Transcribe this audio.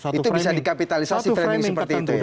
itu bisa dikapitalisasi framing seperti itu ya